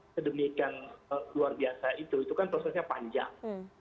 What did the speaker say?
kedemikian luar biasa itu kan prosesnya panjang